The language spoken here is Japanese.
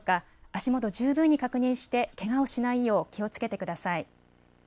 足元、十分に確認してけがをしないよう気をつけてください。